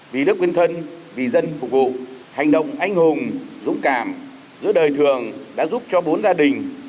vì đức quyên thân vì dân phục vụ hành động anh hùng dũng cảm giữa đời thường đã giúp cho bốn gia đình